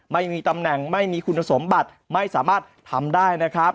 ไม่มีตำแหน่งไม่มีคุณสมบัติไม่สามารถทำได้นะครับ